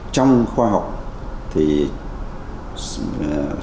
trong khoa học hiện nay chúng tôi dành bảy mươi cho nông nghiệp